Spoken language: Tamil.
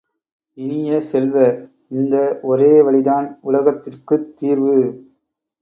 இனிய செல்வ, இந்த ஒரே வழிதான் உலகத்திற்குத் தீர்வு!